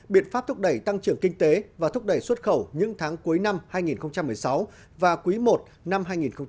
biện pháp thúc đẩy tăng trưởng kinh tế và thúc đẩy xuất khẩu những tháng cuối năm hai nghìn một mươi sáu và quý i năm hai nghìn một mươi chín